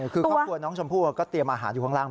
คือครอบครัวน้องชมพู่ก็เตรียมอาหารอยู่ข้างล่าง